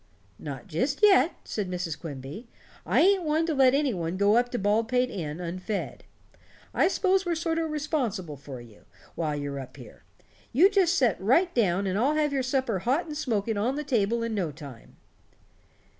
"Not just yet," said Mrs. Quimby. "I ain't one to let anybody go up to Baldpate Inn unfed. I 'spose we're sort o' responsible for you, while you're up here. You just set right down and I'll have your supper hot and smoking on the table in no time."